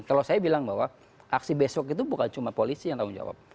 kalau saya bilang bahwa aksi besok itu bukan cuma polisi yang tanggung jawab